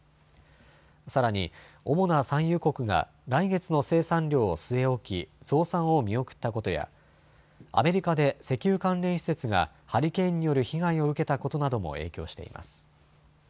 さらに主な産油国が来月の生産量を据え置き増産を見送ったことやアメリカで石油関連施設がハリケーンによる被害を受けたことなども影響しています。